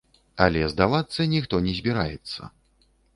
Але здавацца ніхто не збіраецца.